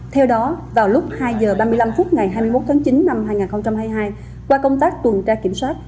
theo đó vào lúc hai h ba mươi năm phút ngày hai mươi một tháng chín năm hai nghìn hai mươi hai qua công tác tuần tra kiểm soát